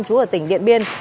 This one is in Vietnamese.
chú ở tỉnh điện biên